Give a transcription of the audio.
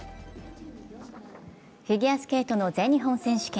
フィギュアスケートの全日本選手権。